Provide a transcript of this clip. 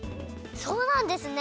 そうなんですね！